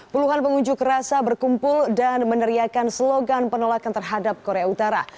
puluhan pengunjuk rasa berkumpul dan meneriakan slogan penolakan terhadap korea utara